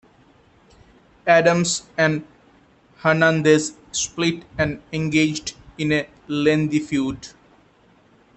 Adams and Hernandez split and engaged in a lengthy feud.